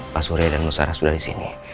pak surya dan tante sarah sudah disini